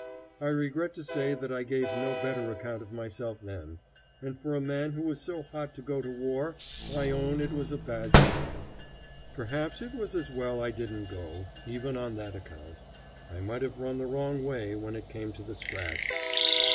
I regret to say that I gave no better account of myself then, and for a man who was so hot to go to war I own it is a bad showing. Perhaps it was as well I didn't go, even on that account. I might have run the wrong way when it came to the scratch.